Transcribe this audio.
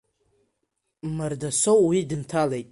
Мардасоу уи дынҭалеит.